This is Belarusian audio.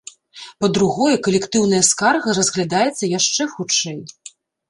Па-другое, калектыўная скарга разглядаецца яшчэ хутчэй.